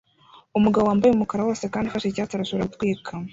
Umugabo wambaye umukara wose kandi ufashe icyatsi arashobora gutwika